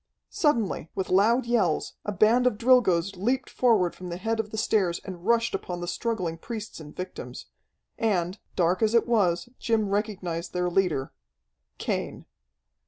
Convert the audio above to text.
Suddenly, with loud yells, a band of Drilgoes leaped forward from the head of the stairs and rushed upon the struggling priests and victims. And, dark as it was, Jim recognized their leader Cain.